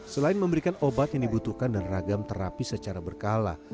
selain memberikan obat yang dibutuhkan dan ragam terapi secara berkala